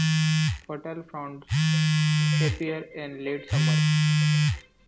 Fertile fronds appear in late summer.